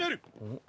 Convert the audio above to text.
ん？